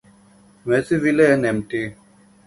Maysville and Mt.